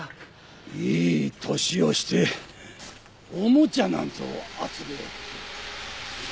いい年をしておもちゃなんぞを集めおって。